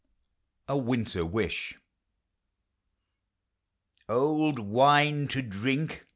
A WINTER WISH. Old wine to drink